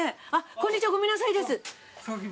こんにちはごめんなさいです。